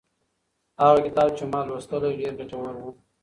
هغه کتاب چې ما لوستلی ډېر ګټور و.